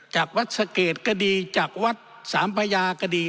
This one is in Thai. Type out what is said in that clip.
จากวัดเสกตกดีจากวัดสามประยากดี